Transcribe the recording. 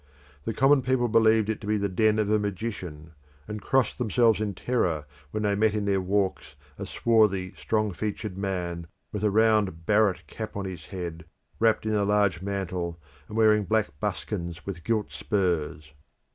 The common people believed it to be the den of a magician, and crossed themselves in terror when they met in their walks a swarthy strong featured man, with a round barret cap on his head, wrapped in a large mantle, and wearing black buskins with gilt spurs.